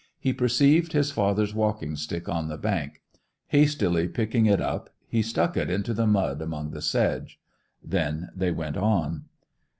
He perceived his father's walking stick on the bank; hastily picking it up he stuck it into the mud among the sedge. Then they went on.